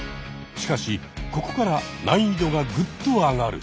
しかしここから難易度がグッと上がる！